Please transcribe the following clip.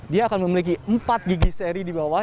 dia akan memiliki empat gigi seri di bawah